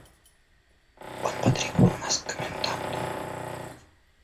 Он потребовал нас к коменданту.